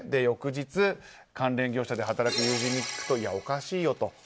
翌日、関連業者で働く友人に聞くといや、おかしいと。